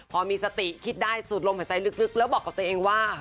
พอมีสติคิดได้สูดลมหายใจลึกแล้วบอกกับตัวเองว่า